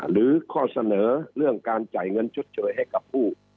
หรือข้อเสนอเรื่องการจ่ายเงินชดเชยให้กับผู้